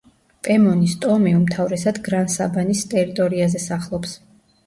პემონის ტომი უმთავრესად გრან-საბანის ტერიტორიაზე სახლობს.